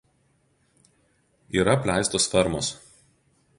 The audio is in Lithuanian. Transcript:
Yra apleistos fermos.